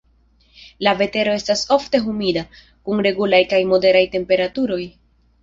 La vetero estas ofte humida, kun regulaj kaj moderaj temperaturoj.